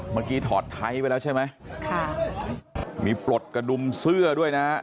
เมื่อกี้ถอดไทยไปแล้วใช่ไหมมีปลดกระดุมเสื้อด้วยนะ